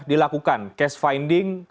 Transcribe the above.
dilakukan case finding